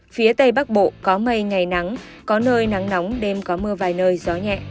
phía tây bắc bộ có mây ngày nắng có nơi nắng nóng đêm có mưa vài nơi gió nhẹ